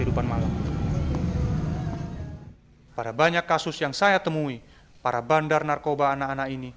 ini masih cukup digunakan untuk menghancurkan keadaan kuota